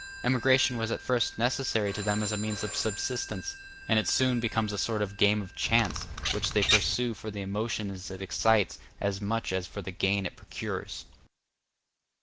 Emigration was at first necessary to them as a means of subsistence; and it soon becomes a sort of game of chance, which they pursue for the emotions it excites as much as for the gain it procures.